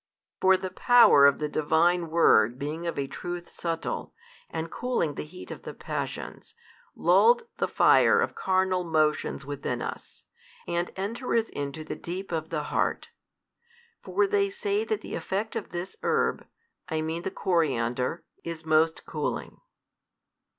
For the power of the Divine Word being of a truth subtle, and cooling the heat of the passions, lulleth the fire of carnal motions within us, and entereth into the deep of the heart. For they say that the effect of this herb, I mean the coriander, is most cooling.